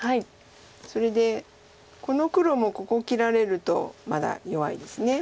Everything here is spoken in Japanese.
それでこの黒もここを切られるとまだ弱いです。